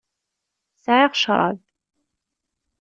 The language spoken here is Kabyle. Sɛiɣ ccṛab.